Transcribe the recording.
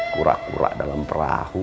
kurak kurak dalam perahu